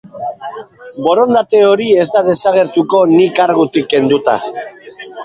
Borondate hori ez da desagertuko ni kargutik kenduta.